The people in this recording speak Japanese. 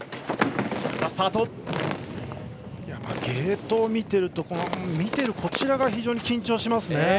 ゲートを見ていると見ているこちらが非常に緊張しますね。